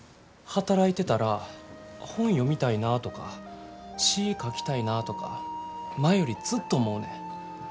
働いてたら本読みたいなとか詩ぃ書きたいなぁとか前よりずっと思うねん。